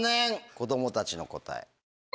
子供たちの答え。